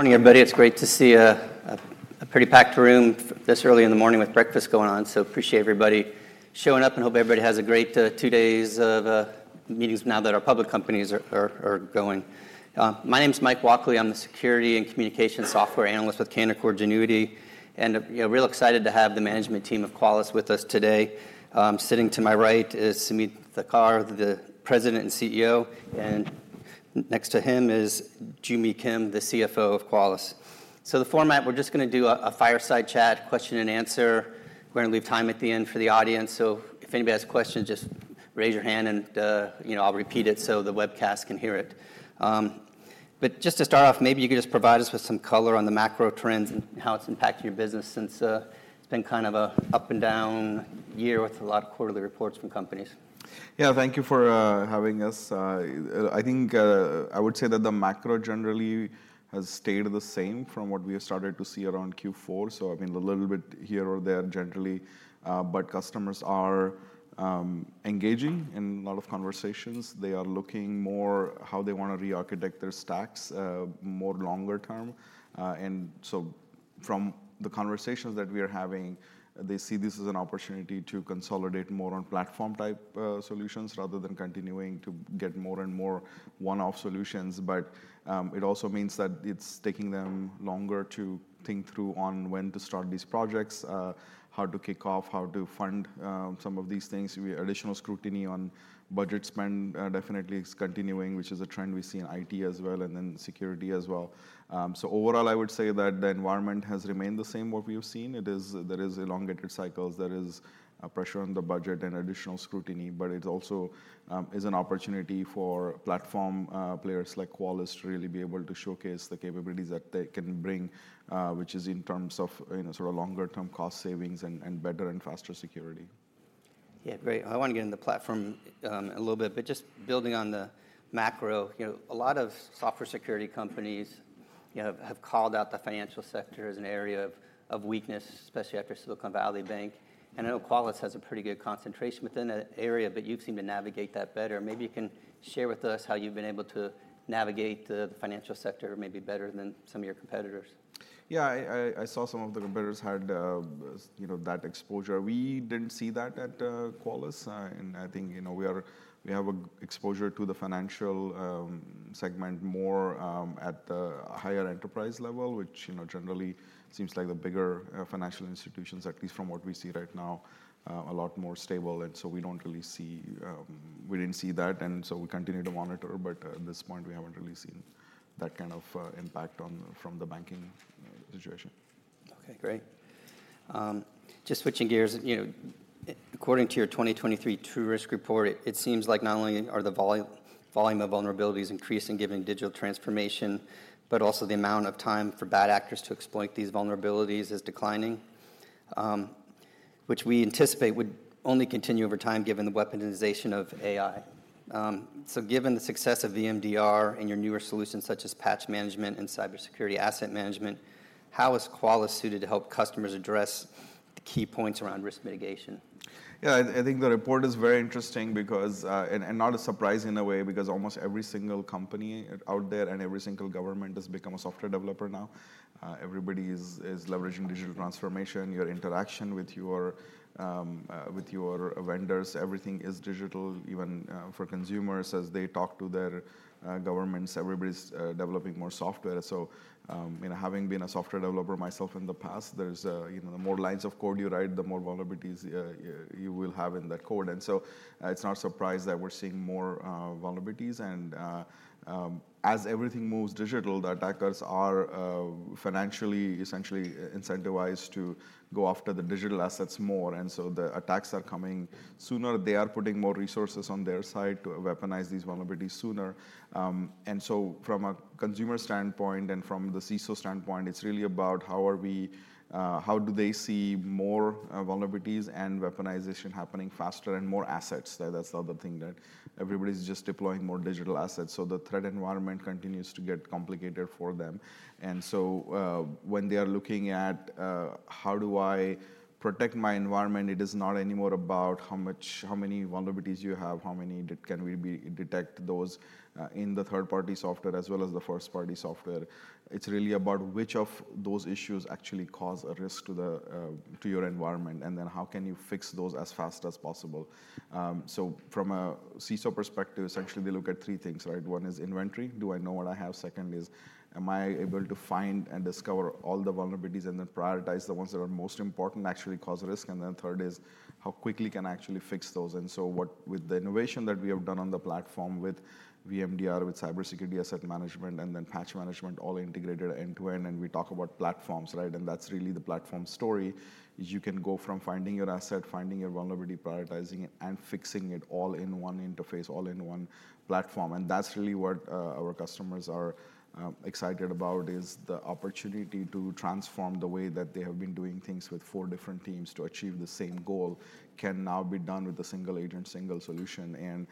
Morning, everybody. It's great to see a pretty packed room this early in the morning with breakfast going on. Appreciate everybody showing up, and hope everybody has a great two days of meetings now that our public companies are, are, are going. My name's Mike Walkley. I'm the Security and Communication Software Analyst with Canaccord Genuity, and you know, real excited to have the management team of Qualys with us today. Sitting to my right is Sumedh Thakar, the President and CEO, and next to him is Joo Mi Kim, the CFO of Qualys. The format, we're just gonna do a, a fireside chat, question and answer. We're gonna leave time at the end for the audience, so if anybody has questions, just raise your hand and you know, I'll repeat it so the webcast can hear it. Just to start off, maybe you could just provide us with some color on the macro trends and how it's impacting your business since, it's been kind of a up and down year with a lot of quarterly reports from companies. Yeah, thank you for having us. I think, I would say that the macro generally has stayed the same from what we have started to see around Q4, I mean, a little bit here or there, generally. Customers are engaging in a lot of conversations. They are looking more how they want to rearchitect their stacks, more longer term. From the conversations that we are having, they see this as an opportunity to consolidate more on platform-type solutions, rather than continuing to get more and more one-off solutions. It also means that it's taking them longer to think through on when to start these projects, how to kick off, how to fund, some of these things. Additional scrutiny on budget spend, definitely is continuing, which is a trend we see in IT as well, and then security as well. Overall, I would say that the environment has remained the same, what we have seen. There is elongated cycles, there is a pressure on the budget and additional scrutiny, but it also is an opportunity for platform players like Qualys to really be able to showcase the capabilities that they can bring, which is in terms of, you know, sort of longer term cost savings and, and better and faster security. Yeah, great. I want to get into the platform a little bit, but just building on the macro, you know, a lot of software security companies, you know, have called out the financial sector as an area of, of weakness, especially after Silicon Valley Bank. I know Qualys has a pretty good concentration within that area, but you seem to navigate that better. Maybe you can share with us how you've been able to navigate the, the financial sector maybe better than some of your competitors. Yeah, I saw some of the competitors had, you know, that exposure. We didn't see that at Qualys. I think, you know, we are-- we have a exposure to the financial segment more at the higher enterprise level, which, you know, generally seems like the bigger financial institutions, at least from what we see right now, a lot more stable, and so we don't really see... We didn't see that, and so we continue to monitor. At this point, we haven't really seen that kind of impact on, from the banking situation. Okay, great. Just switching gears, you know, according to your 2023 TruRisk report, it seems like not only are the volume of vulnerabilities increasing given digital transformation, but also the amount of time for bad actors to exploit these vulnerabilities is declining. Which we anticipate would only continue over time, given the weaponization of AI. Given the success of VMDR and your newer solutions, such as Patch Management and CyberSecurity Asset Management, how is Qualys suited to help customers address the key points around risk mitigation? Yeah, I, I think the report is very interesting because... not a surprise in a way, because almost every single company out there and every single government has become a software developer now. Everybody is, is leveraging digital transformation. Your interaction with your, with your vendors, everything is digital, even for consumers, as they talk to their governments, everybody's developing more software. You know, having been a software developer myself in the past, there's a, you know, the more lines of code you write, the more vulnerabilities you will have in that code. So it's not a surprise that we're seeing more vulnerabilities. As everything moves digital, the attackers are financially, essentially, incentivized to go after the digital assets more, and so the attacks are coming sooner. They are putting more resources on their side to weaponize these vulnerabilities sooner. From a consumer standpoint and from the CISO standpoint, it's really about how do they see more vulnerabilities and weaponization happening faster and more assets? That's the other thing, that everybody's just deploying more digital assets, so the threat environment continues to get complicated for them. When they are looking at how do I protect my environment, it is not anymore about how many vulnerabilities you have, how many can we detect those in the third-party software as well as the first-party software. It's really about which of those issues actually cause a risk to the to your environment, and then how can you fix those as fast as possible? From a CISO perspective, essentially, we look at three things, right? One is inventory. Do I know what I have? Second is, am I able to find and discover all the vulnerabilities and then prioritize the ones that are most important, actually cause risk? Then third is, how quickly can I actually fix those? So with the innovation that we have done on the platform with VMDR, with CyberSecurity Asset Management, and then Patch Management, all integrated end-to-end, we talk about platforms, right? That's really the platform story, is you can go from finding your asset, finding your vulnerability, prioritizing it, and fixing it all in one interface, all in one platform. That's really what our customers are excited about, is the opportunity to transform the way that they have been doing things with four different teams to achieve the same goal, can now be done with a single agent, single solution.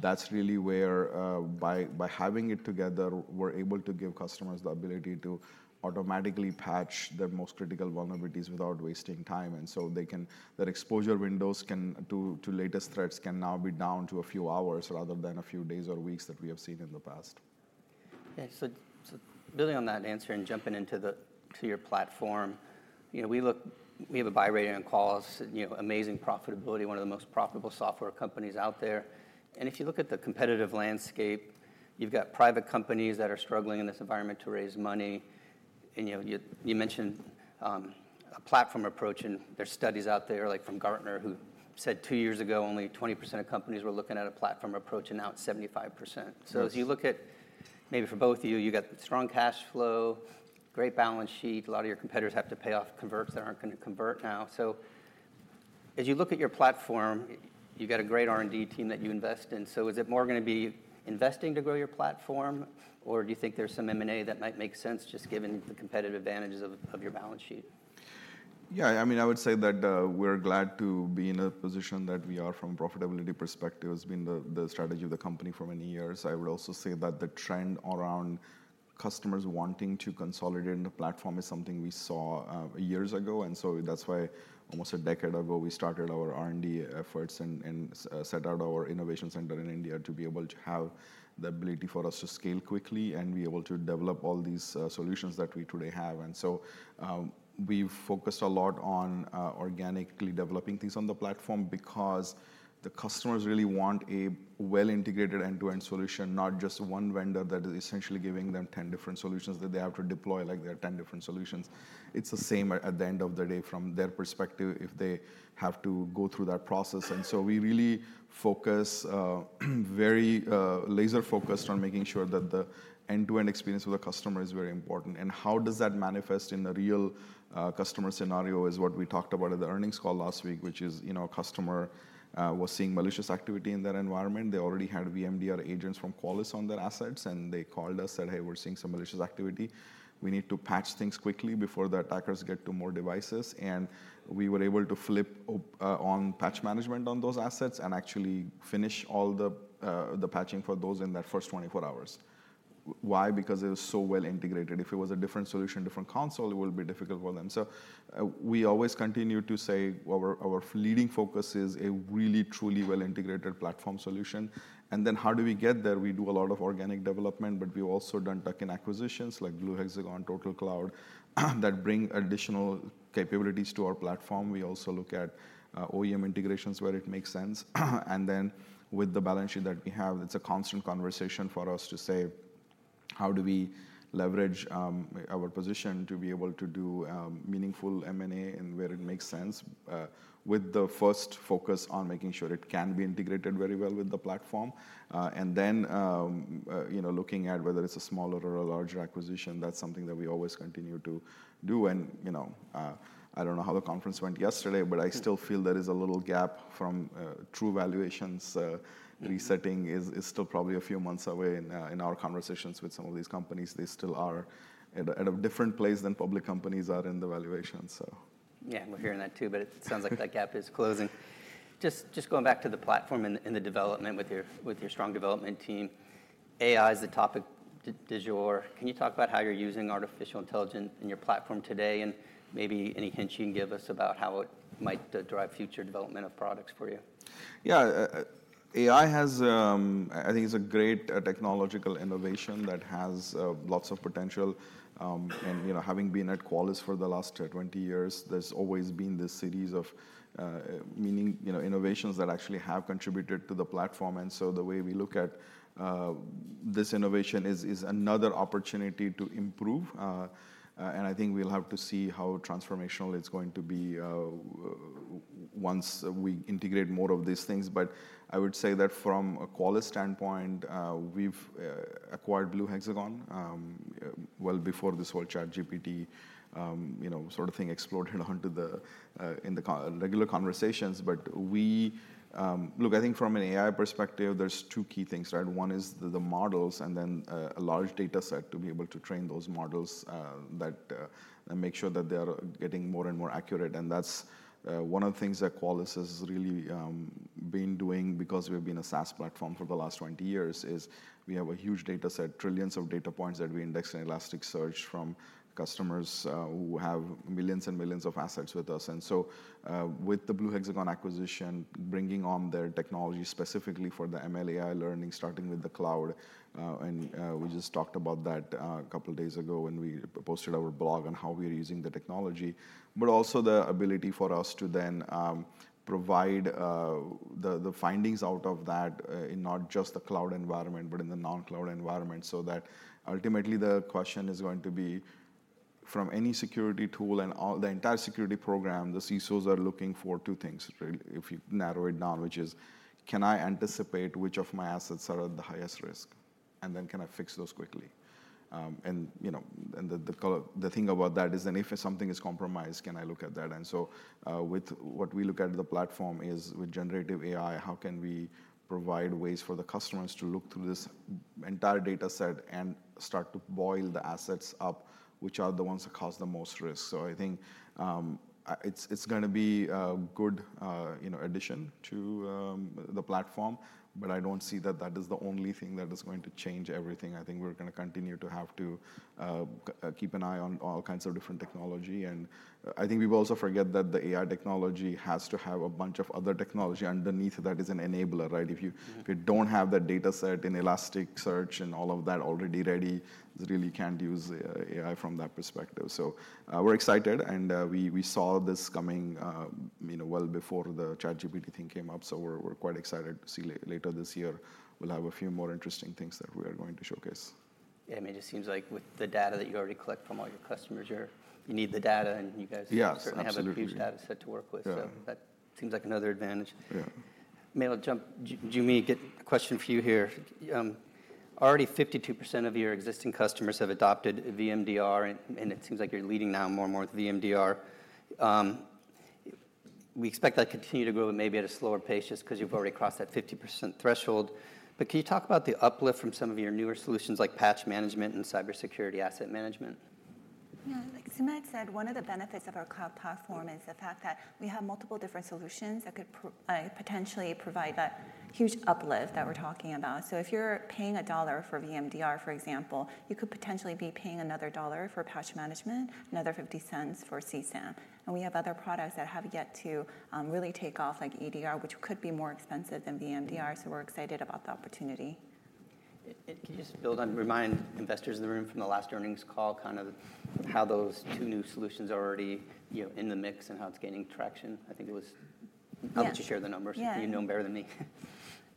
That's really where, by, by having it together, we're able to give customers the ability to automatically patch their most critical vulnerabilities without wasting time. So their exposure windows to latest threats can now be down to a few hours rather than a few days or weeks that we have seen in the past. Okay, so, so building on that answer and jumping into the, to your platform, you know, we have a buy rating on Qualys, you know, amazing profitability, one of the most profitable software companies out there. If you look at the competitive landscape, you've got private companies that are struggling in this environment to raise money. You know, you, you mentioned a platform approach, and there's studies out there, like from Gartner, who said two years ago, only 20% of companies were looking at a platform approach, and now it's 75%. Yes. As you look at, maybe for both of you, you've got strong cash flow, great balance sheet. A lot of your competitors have to pay off converts that aren't gonna convert now. As you look at your platform, you've got a great R&D team that you invest in. Is it more gonna be investing to grow your platform, or do you think there's some M&A that might make sense, just given the competitive advantages of, of your balance sheet? Yeah, I mean, I would say that we're glad to be in a position that we are from profitability perspective. It's been the, the strategy of the company for many years. I would also say that the trend around customers wanting to consolidate in the platform is something we saw years ago, and so that's why almost a decade ago, we started our R&D efforts and, and set out our innovation center in India to be able to have the ability for us to scale quickly and be able to develop all these solutions that we today have. We've focused a lot on organically developing things on the platform because the customers really want a well-integrated end-to-end solution, not just one vendor that is essentially giving them 10 different solutions that they have to deploy, like they're 10 different solutions. It's the same at the end of the day from their perspective, if they have to go through that process. So we really focus, very laser-focused on making sure that the end-to-end experience of the customer is very important. How does that manifest in a real customer scenario is what we talked about at the earnings call last week, which is, you know, a customer was seeing malicious activity in their environment. They already had VMDR agents from Qualys on their assets, and they called us, said, "Hey, we're seeing some malicious activity. We need to patch things quickly before the attackers get to more devices." We were able to flip on Patch Management on those assets and actually finish all the patching for those in that first 24 hours. Why? Because it was so well integrated. If it was a different solution, different console, it would be difficult for them. We always continue to say our, our leading focus is a really, truly well-integrated platform solution. How do we get there? We do a lot of organic development, but we've also done tuck-in acquisitions, like Blue Hexagon, TotalCloud, that bring additional capabilities to our platform. We also look at OEM integrations where it makes sense. With the balance sheet that we have, it's a constant conversation for us to say, how do we leverage our position to be able to do meaningful M&A and where it makes sense, with the first focus on making sure it can be integrated very well with the platform. Then, you know, looking at whether it's a smaller or a larger acquisition, that's something that we always continue to do. You know, I don't know how the conference went yesterday, but I still feel there is a little gap from true valuations. Resetting is, is still probably a few months away in our conversations with some of these companies. They still are at a, at a different place than public companies are in the valuation, so. Yeah, we're hearing that too, but it sounds like that gap is closing. Just going back to the platform and the development with your strong development team, AI is the topic du jour. Can you talk about how you're using artificial intelligence in your platform today, and maybe any hints you can give us about how it might drive future development of products for you? Yeah. AI has... I think it's a great technological innovation that has lots of potential. You know, having been at Qualys for the last 20 years, there's always been this series of meaning, you know, innovations that actually have contributed to the platform. So the way we look at this innovation is, is another opportunity to improve. And I think we'll have to see how transformational it's going to be once we integrate more of these things. I would say that from a Qualys standpoint, we've acquired Blue Hexagon well before this whole ChatGPT, you know, sort of thing exploded onto the in the regular conversations. We. Look, I think from an AI perspective, there's two key things, right? One is the, the models and then, a large data set to be able to train those models, that, and make sure that they are getting more and more accurate. That's, one of the things that Qualys has really, been doing because we've been a SaaS platform for the last 20 years, is we have a huge dataset, trillions of data points that we index in Elasticsearch from customers, who have millions and millions of assets with us. So, with the Blue Hexagon acquisition, bringing on their technology specifically for the ML/AI learning, starting with the cloud, and, we just talked about that, a couple of days ago when we posted our blog on how we are using the technology. Also the ability for us to then provide the findings out of that in not just the cloud environment, but in the non-cloud environment. That ultimately the question is going to be from any security tool and all... the entire security program, the CISOs are looking for two things, really, if you narrow it down, which is: Can I anticipate which of my assets are at the highest risk? Can I fix those quickly? You know, the thing about that is then if something is compromised, can I look at that? With what we look at the platform is with generative AI, how can we provide ways for the customers to look through this entire dataset and start to boil the assets up, which are the ones that cause the most risk? I think, it's, it's gonna be a good, you know, addition to, the platform, but I don't see that that is the only thing that is going to change everything. I think we're gonna continue to have to, keep an eye on all kinds of different technology, and I think we've also forget that the AI technology has to have a bunch of other technology underneath that is an enabler, right? If you- Yeah. If you don't have the dataset in Elasticsearch and all of that already ready, you really can't use AI from that perspective. We're excited, and we, we saw this coming, you know, well before the ChatGPT thing came up. We're, we're quite excited to see later this year. We'll have a few more interesting things that we are going to showcase. Yeah, I mean, it just seems like with the data that you already collect from all your customers, you're, you need the data, and you guys- Yeah, absolutely. certainly have a huge dataset to work with. Yeah. That seems like another advantage. Yeah. May I'll jump, Joo Mi, get a question for you here. Already 52% of your existing customers have adopted VMDR, and it seems like you're leading now more and more with VMDR. We expect that to continue to grow, but maybe at a slower pace, just 'cause you've already crossed that 50% threshold. Can you talk about the uplift from some of your newer solutions, like Patch Management and CyberSecurity Asset Management? Yeah. Like Sumedh said, one of the benefits of our cloud platform is the fact that we have multiple different solutions that could potentially provide that huge uplift that we're talking about. If you're paying $1 for VMDR, for example, you could potentially be paying another $1 for Patch Management, another $0.50 for CSAM. We have other products that have yet to really take off, like EDR, which could be more expensive than VMDR, so we're excited about the opportunity. Can you just build on, remind investors in the room from the last earnings call, kind of how those two new solutions are already, you know, in the mix, and how it's gaining traction? I think it was- Yeah. How much you share the numbers? Yeah. you know better than me.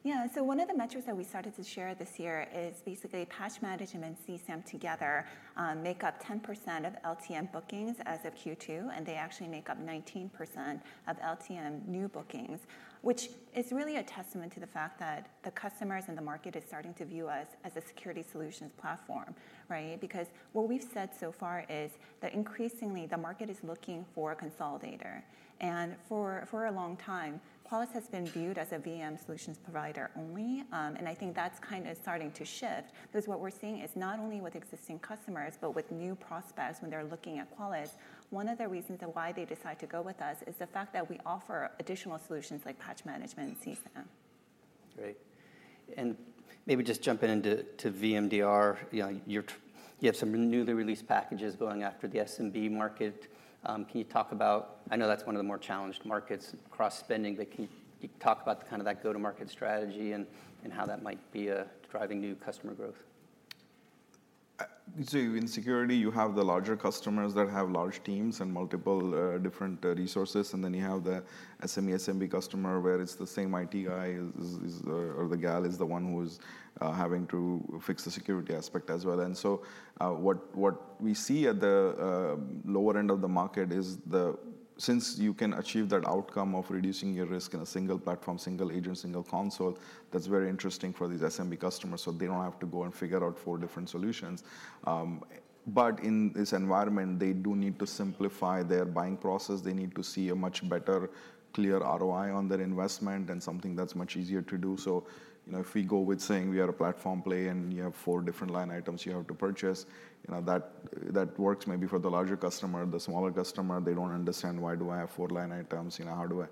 Yeah. One of the metrics that we started to share this year is basically Patch Management and CSAM together, make up 10% of LTM bookings as of Q2, and they actually make up 19% of LTM new bookings, which is really a testament to the fact that the customers and the market is starting to view us as a security solutions platform, right? Because what we've said so far is that increasingly, the market is looking for a consolidator. For, for a long time, Qualys has been viewed as a VM solutions provider only, I think that's kind of starting to shift. Because what we're seeing is not only with existing customers, but with new prospects when they're looking at Qualys, one of the reasons of why they decide to go with us is the fact that we offer additional solutions like Patch Management and CSAM. Great. Maybe just jumping into VMDR, you know, you have some newly released packages going after the SMB market. Can you talk about, I know that's one of the more challenged markets, cross-spending, but can you talk about the kind of that go-to-market strategy and how that might be driving new customer growth? So in security, you have the larger customers that have large teams and multiple, different, resources, and then you have the SME, SMB customer, where it's the same IT guy is, is, or the gal is the one who is having to fix the security aspect as well. So, what, what we see at the lower end of the market is the- since you can achieve that outcome of reducing your risk in a single platform, single agent, single console, that's very interesting for these SMB customers, so they don't have to go and figure out 4 different solutions. But in this environment, they do need to simplify their buying process. They need to see a much better, clear ROI on their investment and something that's much easier to do. You know, if we go with saying we are a platform play and you have 4 different line items you have to purchase, you know, that, that works maybe for the larger customer. The smaller customer, they don't understand why do I have 4 line items? You know, how do I...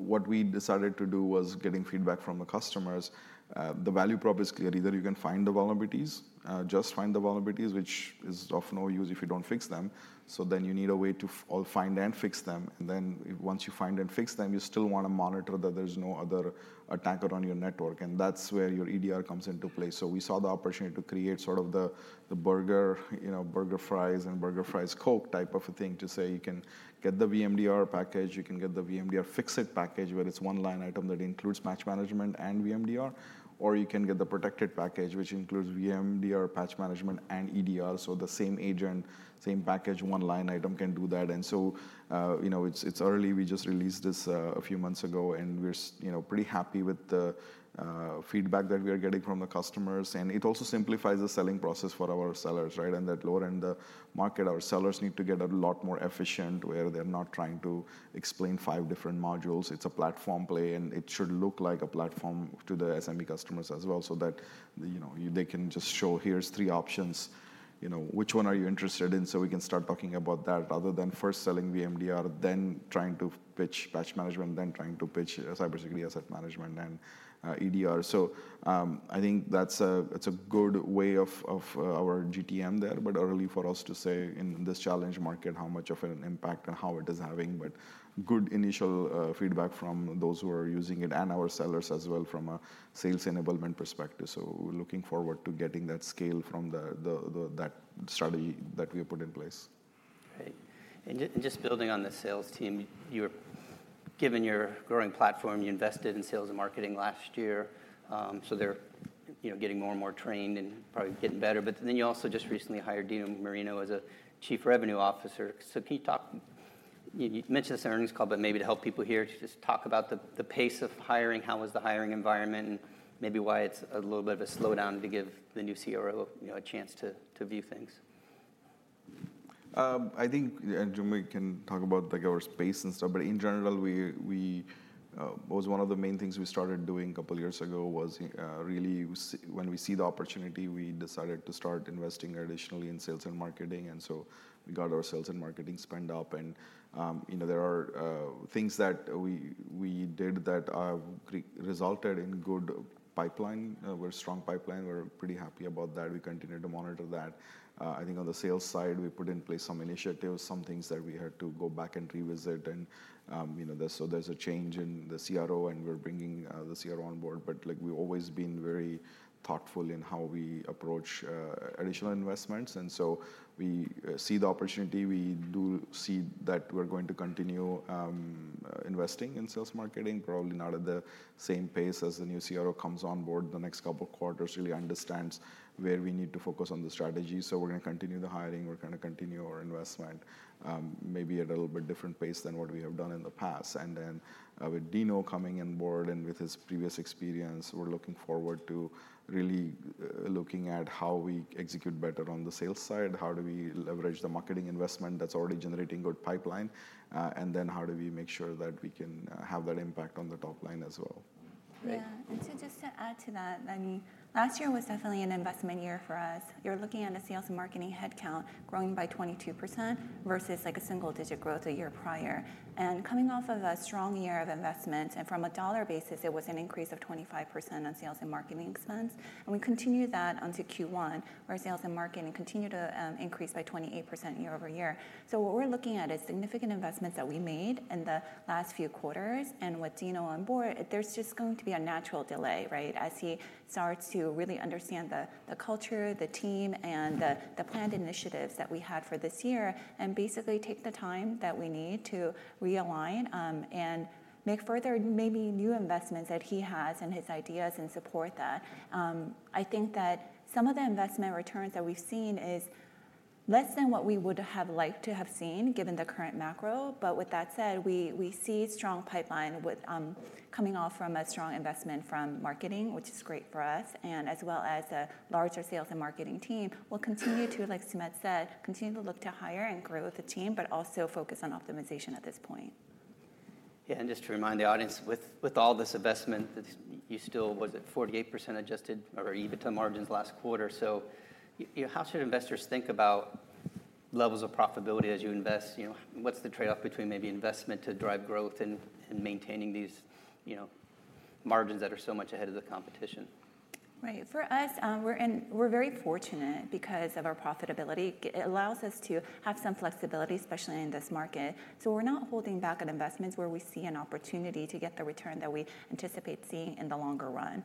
What we decided to do was getting feedback from the customers. The value prop is clear. Either you can find the vulnerabilities, just find the vulnerabilities, which is of no use if you don't fix them. Then you need a way to all find and fix them. Then once you find and fix them, you still want to monitor that there's no other attacker on your network, and that's where your EDR comes into play. We saw the opportunity to create sort of the, the burger, you know, burger fries, and burger fries Coke type of a thing, to say you can get the VMDR package, you can get the VMDR fix-it package, where it's one line item that includes Patch Management and VMDR, or you can get the protected package, which includes VMDR, Patch Management, and EDR. The same agent, same package, one line item can do that. You know, it's, it's early. We just released this a few months ago, and we're, you know, pretty happy with the feedback that we are getting from the customers. It also simplifies the selling process for our sellers, right? In that lower end, the market, our sellers need to get a lot more efficient, where they're not trying to explain five different modules. It's a platform play, and it should look like a platform to the SME customers as well, so that, you know, they can just show: Here's three options. You know, which one are you interested in? We can start talking about that, other than first selling VMDR, then trying to pitch Patch Management, then trying to pitch CyberSecurity Asset Management, and EDR. I think that's a, it's a good way of, of our GTM there, but early for us to say in this challenge market, how much of an impact and how it is having. Good initial feedback from those who are using it and our sellers as well from a sales enablement perspective. We're looking forward to getting that scale from the that strategy that we put in place. Great. Just building on the sales team, given your growing platform, you invested in sales and marketing last year, so they're, you know, getting more and more trained and probably getting better. You also just recently hired Dino DiMarino as a chief revenue officer. Can you talk, you mentioned this in earnings call, but maybe to help people here, just talk about the pace of hiring, how was the hiring environment, and maybe why it's a little bit of a slowdown to give the new CRO, you know, a chance to view things. I think, Joo Mi can talk about, like, our space and stuff, but in general, we, we, what was one of the main things we started doing two years ago was, really when we see the opportunity, we decided to start investing additionally in sales and marketing. We got our sales and marketing spend up, you know, there are things that we, we did that, resulted in good pipeline, we're strong pipeline. We're pretty happy about that. We continue to monitor that. I think on the sales side, we put in place some initiatives, some things that we had to go back and revisit. There's a change in the CRO, and we're bringing, the CRO on board. Like, we've always been very thoughtful in how we approach additional investments, and so we see the opportunity. We do see that we're going to continue investing in sales marketing, probably not at the same pace as the new CRO comes on board the next couple quarters, really understands where we need to focus on the strategy. We're gonna continue the hiring. We're gonna continue our investment, maybe at a little bit different pace than what we have done in the past. With Dino coming on board and with his previous experience, we're looking forward to really looking at how we execute better on the sales side. How do we leverage the marketing investment that's already generating good pipeline? How do we make sure that we can, have that impact on the top line as well? Yeah. Just to add to that, I mean, last year was definitely an investment year for us. You're looking at a sales and marketing headcount growing by 22% versus, like, a single-digit growth a year prior. Coming off of a strong year of investment, and from a dollar basis, it was an increase of 25% on sales and marketing spends. We continue that onto Q1, where sales and marketing continue to increase by 28% year-over-year. What we're looking at is significant investments that we made in the last few quarters, and with Dino on board, there's just going to be a natural delay, right? As he starts to really understand the, the culture, the team, and the, the planned initiatives that we had for this year, and basically take the time that we need to realign, and make further, maybe new investments that he has and his ideas and support that. I think that some of the investment returns that we've seen is less than what we would have liked to have seen, given the current macro. With that said, we, we see strong pipeline with, coming off from a strong investment from marketing, which is great for us, and as well as a larger sales and marketing team. We'll continue to, like Sumedh said, continue to look to hire and grow the team, but also focus on optimization at this point. Yeah, just to remind the audience, with, with all this investment, that you still. Was it 48% adjusted or EBITDA margins last quarter? you know, how should investors think about levels of profitability as you invest, you know, what's the trade-off between maybe investment to drive growth and maintaining these, you know, margins that are so much ahead of the competition? Right. For us, we're in- we're very fortunate because of our profitability. It, it allows us to have some flexibility, especially in this market. We're not holding back on investments where we see an opportunity to get the return that we anticipate seeing in the longer run.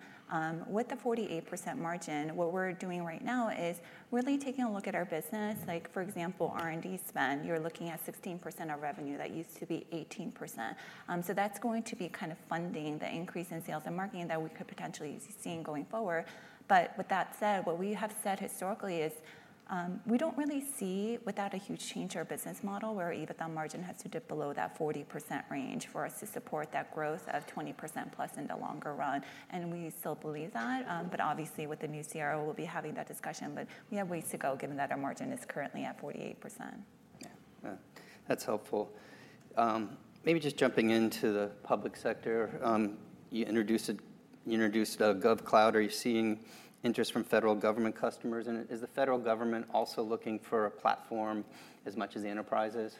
With the 48% margin, what we're doing right now is really taking a look at our business, like, for example, R&D spend. You're looking at 16% of revenue. That used to be 18%. That's going to be kind of funding the increase in sales and marketing that we could potentially see going forward. With that said, what we have said historically is, we don't really see, without a huge change in our business model, where EBITDA margin has to dip below that 40% range for us to support that growth of 20%+ in the longer run. We still believe that, but obviously, with the new CRO, we'll be having that discussion. We have ways to go, given that our margin is currently at 48%. Yeah. Yeah, that's helpful. Maybe just jumping into the public sector, you introduced a GovCloud. Are you seeing interest from federal government customers, and is the federal government also looking for a platform as much as the enterprise is?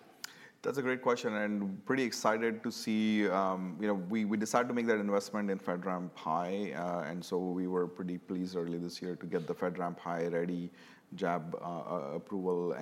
That's a great question, and pretty excited to see, you know, we, we decided to make that investment in FedRAMP High, and so we were pretty pleased early this year to get the FedRAMP High ready JAB approval.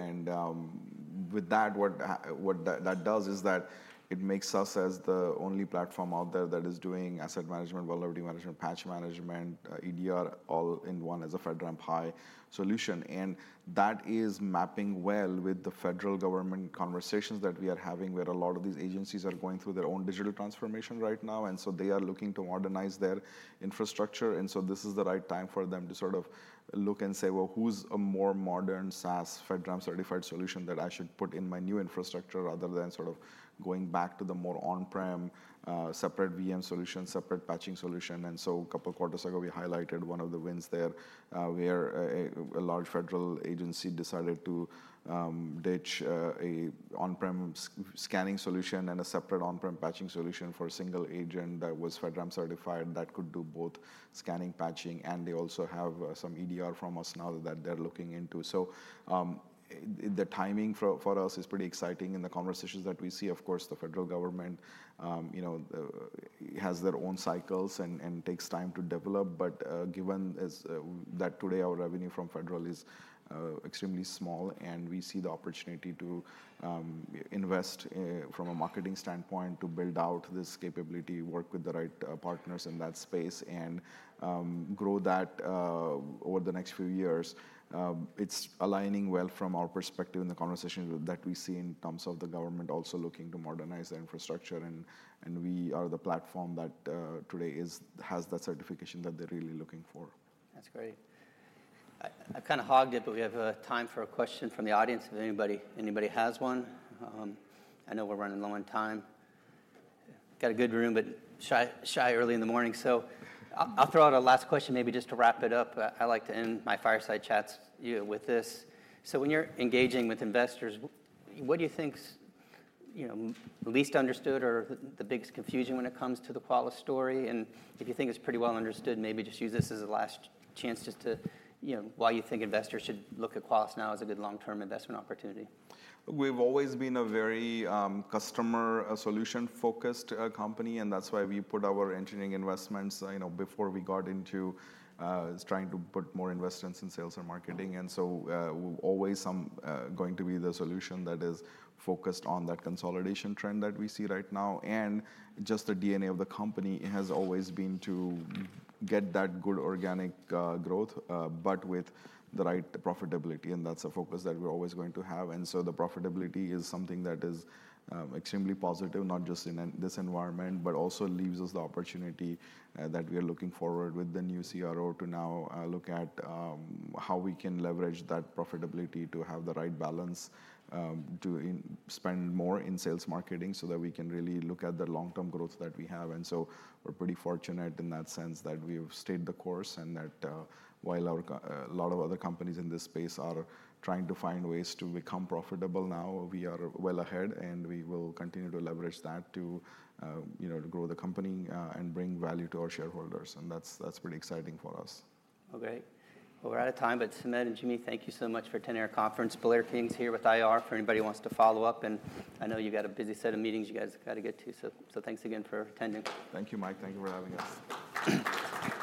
With that, what that does is that it makes us as the only platform out there that is doing asset management, vulnerability management, patch management, EDR, all in one as a FedRAMP High solution. That is mapping well with the federal government conversations that we are having, where a lot of these agencies are going through their own digital transformation right now, and so they are looking to modernize their infrastructure. This is the right time for them to sort of look and say, Well, who's a more modern SaaS FedRAMP certified solution that I should put in my new infrastructure, rather than sort of going back to the more on-prem, separate VM solution, separate patching solution? 2 quarters ago, we highlighted one of the wins there, where a large federal agency decided to ditch a on-prem scanning solution and a separate on-prem patching solution for a single agent that was FedRAMP certified that could do both scanning, patching, and they also have some EDR from us now that they're looking into. The timing for us is pretty exciting in the conversations that we see. Of course, the federal government, you know, has their own cycles and takes time to develop, but given as that today our revenue from federal is extremely small, and we see the opportunity to invest from a marketing standpoint, to build out this capability, work with the right partners in that space, and grow that over the next few years. It's aligning well from our perspective in the conversation that we see in terms of the government also looking to modernize their infrastructure, and we are the platform that today has that certification that they're really looking for. That's great. I, I kind of hogged it, but we have, time for a question from the audience, if anybody, anybody has one. I know we're running low on time. Got a good room, but shy, shy early in the morning. I, I'll throw out a last question, maybe just to wrap it up. I like to end my fireside chats, you know, with this: When you're engaging with investors, what do you think's, you know, least understood or the, the biggest confusion when it comes to the Qualys story? And if you think it's pretty well understood, maybe just use this as a last chance just to, you know, why you think investors should look at Qualys now as a good long-term investment opportunity. We've always been a very customer solution-focused company, and that's why we put our engineering investments, you know, before we got into trying to put more investments in sales and marketing. So, we're always some going to be the solution that is focused on that consolidation trend that we see right now. Just the DNA of the company has always been to get that good organic growth, but with the right profitability, and that's a focus that we're always going to have. The profitability is something that is extremely positive, not just in this environment, but also leaves us the opportunity that we are looking forward with the new CRO to now look at how we can leverage that profitability to have the right balance to spend more in sales marketing, so that we can really look at the long-term growth that we have. We're pretty fortunate in that sense that we've stayed the course and that while our a lot of other companies in this space are trying to find ways to become profitable now, we are well ahead, and we will continue to leverage that to, you know, to grow the company and bring value to our shareholders. That's, that's pretty exciting for us. Okay. Well, we're out of time, but Sumedh and Joo Mi, thank you so much for attending our conference. Blair King here with IR, if anybody wants to follow up, and I know you've got a busy set of meetings you guys have got to get to, so, so thanks again for attending. Thank you, Mike. Thank you for having us.